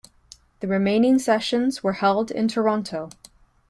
The remaining sessions were held in Toronto.